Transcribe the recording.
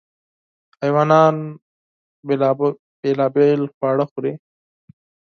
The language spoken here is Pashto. حیوانات مختلف خواړه خوري.